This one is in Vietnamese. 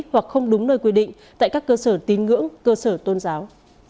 hoặc không đúng nơi quy định tại các cơ sở tín ngưỡng cơ sở tôn giáo